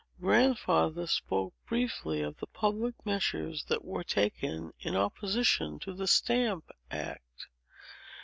Grandfather spoke briefly of the public measures that were taken in opposition to the Stamp Act.